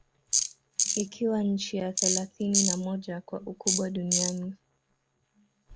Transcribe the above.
Ikiwa nchi ya thelathini na moja kwa ukubwa Duniani